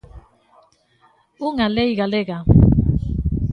Unha lei galega.